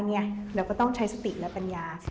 เราก็ต้องใช้สติและปัญญาสิ